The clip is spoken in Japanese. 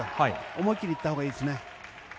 思い切りいったほうがいいですね。